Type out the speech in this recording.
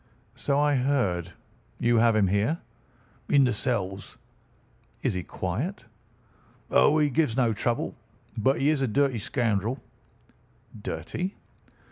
"So I heard. You have him here?" "In the cells." "Is he quiet?" "Oh, he gives no trouble. But he is a dirty scoundrel." "Dirty?"